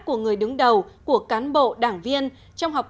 của người đứng đầu của cán bộ đảng viên